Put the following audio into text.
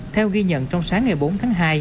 theo ghi nhận trong sáng ngày bốn tháng hai